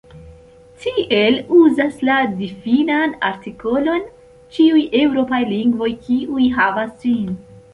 Tiel uzas la difinan artikolon ĉiuj eŭropaj lingvoj kiuj havas ĝin.